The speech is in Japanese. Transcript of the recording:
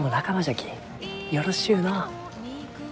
よろしゅうのう。